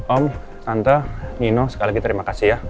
om tante nino sekali lagi terima kasih ya